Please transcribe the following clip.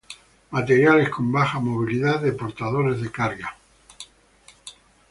Materiales con baja movilidad de portadores de carga, p. Ej.